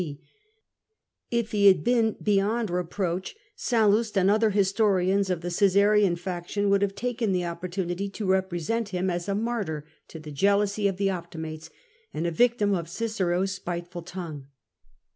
If he had been beyond re proach, Sallust and other historians of the Caesarian faction would have taken the opportunity to represent Mm as a martyr to the jealousy of' the Optimates and a victim of Cicero's spiteful tongue.